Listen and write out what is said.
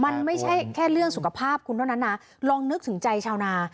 มันไม่ใช่แค่เรื่องสุขภาพคุณเท่านั้นนะลองนึกถึงใจชาวนา